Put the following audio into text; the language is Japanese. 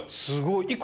すごい！